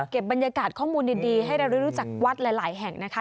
บรรยากาศข้อมูลดีให้เราได้รู้จักวัดหลายแห่งนะคะ